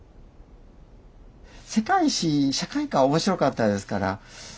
世界史社会科は面白かったですから。